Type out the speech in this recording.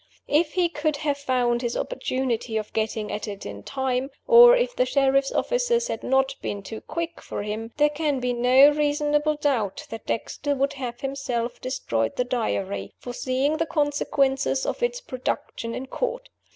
If he could have found his opportunity of getting at it in time or if the sheriff's officers had not been too quick for him there can be no reasonable doubt that Dexter would have himself destroyed the Diary, foreseeing the consequences of its production in court.